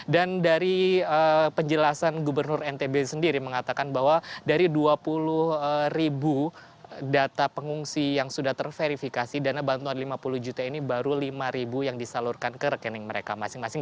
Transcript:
dan dari penjelasan gubernur ntb sendiri mengatakan bahwa dari dua puluh ribu data pengungsi yang sudah terverifikasi dana bantuan lima puluh juta ini baru lima ribu yang disalurkan ke rekening mereka masing masing